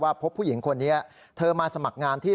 พบผู้หญิงคนนี้เธอมาสมัครงานที่